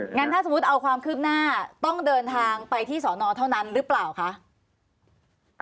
งั้นถ้าสมมุติเอาความคืบหน้าต้องเดินทางไปที่สอนอเท่านั้นหรือเปล่าคะ